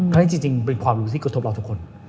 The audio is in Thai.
เพราะฉะนั้นจริงเป็นความรู้ที่กระทบเราทุกคน